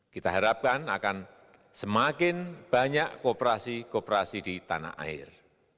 kita harapkan akan semakin banyak kooperasi kooperasi di tanah air